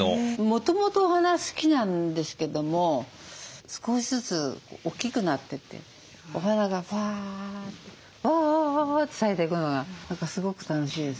もともとお花好きなんですけども少しずつ大きくなってってお花がフワーッとワーッて咲いていくのが何かすごく楽しいですね。